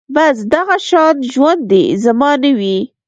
بس دغه شان ژوند دې زما نه وي